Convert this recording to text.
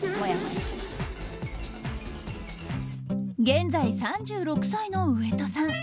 現在３６歳の上戸さん。